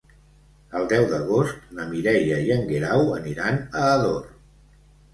El deu d'agost na Mireia i en Guerau aniran a Ador.